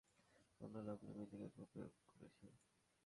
স্ত্রী সামসুন নাহারের দায়ের করা মামলায় লাবলু মৃধাকে গ্রেপ্তার করেছে পুলিশ।